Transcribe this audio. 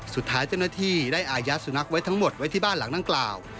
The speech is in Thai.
สุดท้ายเจ้าหน้าที่ได้อายัดสุนัขไว้ทั้งหมดไว้ที่บ้านหลังดังกล่าว